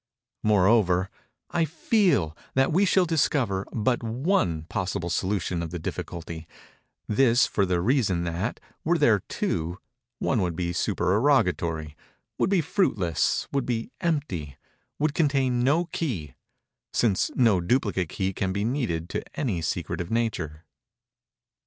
Moreover—I feel that we shall discover but one possible solution of the difficulty; this for the reason that, were there two, one would be supererogatory—would be fruitless—would be empty—would contain no key—since no duplicate key can be needed to any secret of Nature.